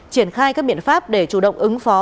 triển khai các biện pháp để chủ động ứng phó